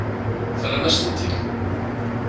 Terram-as-ten-id.